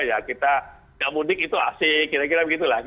ya kita nggak mudik itu asik kira kira begitu lah